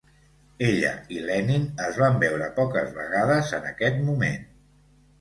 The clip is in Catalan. Ella i Lenin es van veure poques vegades en aquest moment.